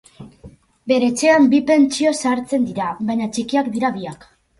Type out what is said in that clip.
Bere etxean bi pentsio sartzen dira, baina txikiak dira biak.